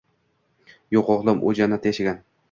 - Yo'q, o'glim. U Jannatda yashagan...